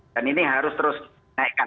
dan ini harus terus naikkan